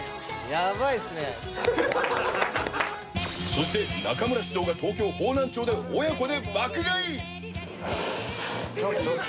そして、中村獅童が東京・方南町で親子で爆買い。